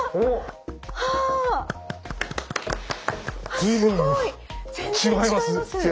随分違います！